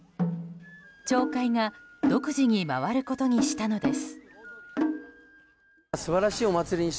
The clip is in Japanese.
町会が独自に回ることにしたのです。